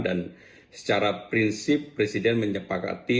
dan secara prinsip presiden menyepakati